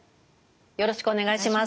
よろしくお願いします。